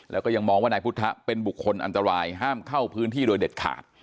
แล้วก็ยังมองว่านายพุทธเป็นบุคคลอันตรายห้ามเข้าพื้นที่โดยเด็ดขาด